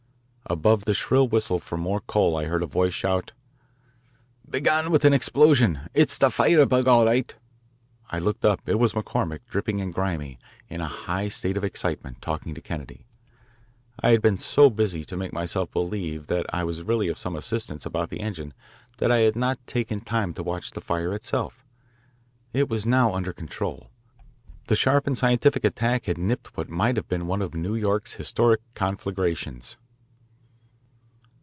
Above the shrill whistle for more coal I heard a voice shout, "Began with an explosion it's the fire bug, all right." I looked up. It was McCormick, dripping and grimy, in a high state of excitement, talking to Kennedy. I had been so busy trying to make myself believe that I was really of some assistance about the engine that I had not taken time to watch the fire itself. It was now under control. The sharp and scientific attack had nipped what might have been one of New York's historic conflagrations.